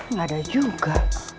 nggak ada juga